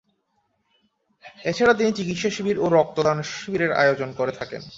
এছাড়া, তিনি চিকিৎসা শিবির ও রক্তদান শিবিরের আয়োজন করে থাকেন।